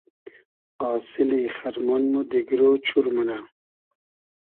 آسیلی خئرمۉن مۉ دیگرۉ چور مونۂ